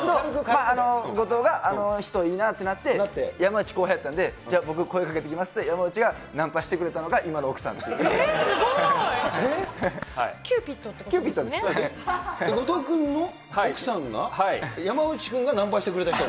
後藤があの人いいなってなって、山内、後輩やったんで、じゃあ、僕、声かけてきますって言って山内がナンパしてくれたのが今の奥さんっていう。